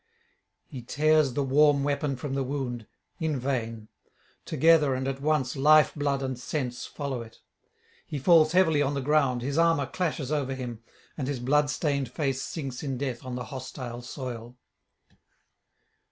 He tears the warm weapon from the wound; in vain; together and at once life blood and sense follow it. He falls heavily on the ground, his armour clashes over him, and his bloodstained face sinks in death on the hostile soil.